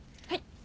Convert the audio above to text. はい。